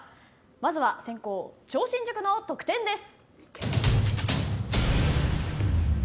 まずは先攻、超新塾の得点です。